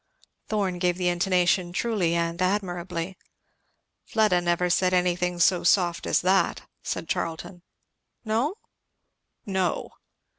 '" Thorn gave the intonation truly and admirably. "Fleda never said anything so soft as that," said Charlton. "No?" "No."